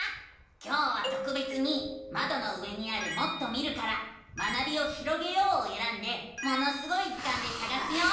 今日はとくべつにまどの上にある「もっと見る」から「学びをひろげよう」をえらんで「ものすごい図鑑」でさがすよ。